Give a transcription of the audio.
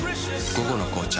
「午後の紅茶」